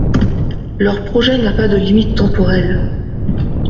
Leur projet n’a pas de limite temporelle.